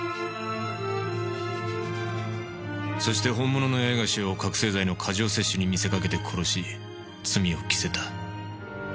そして本物の八重樫を覚せい剤の過剰摂取に見せかけて殺し罪を着せた。